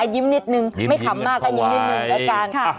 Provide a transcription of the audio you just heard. ยิ่มนิดนึงอ่ะไม่ขำมากยิ่มนิดนึง